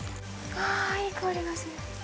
わ、いい香りがする。